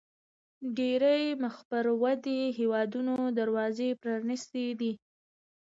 ډېری مخ پر ودې هیوادونو دروازې پرانیستې دي.